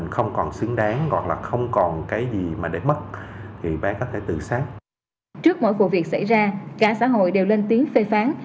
trước mỗi vụ việc xảy ra cả xã hội đều lên tiếng phê phán